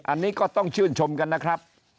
อันนี้ก็ต้องชื่นชมกันนะครับ